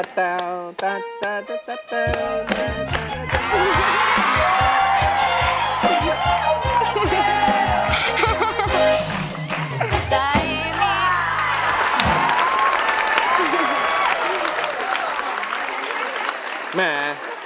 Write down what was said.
แจงง่าย